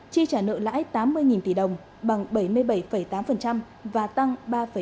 tri trả nợ lãi tám mươi nghìn tỷ đồng bằng bảy mươi bảy tám và tăng ba ba